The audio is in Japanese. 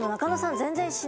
全然。